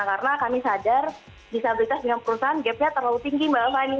karena kami sadar disabilitas dengan perusahaan gapnya terlalu tinggi mbak fani